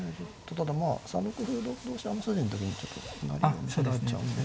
ただまあ３六歩同歩同飛車の筋の時にちょっと成りを見せられちゃうんで。